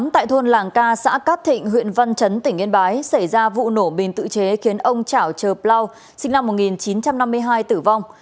tại thôn làng ca xã cát thịnh huyện văn chấn tỉnh yên bái xảy ra vụ nổ mìn tự chế khiến ông trảo trờ bloo sinh năm một nghìn chín trăm năm mươi hai tử vong